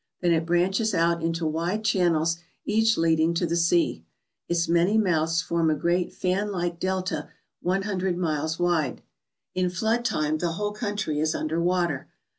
Then it branches out into wide channels, each leading to the sea. Its many mouths form a great fan like delta one hundred miles wide. In flood time the whole country is under water.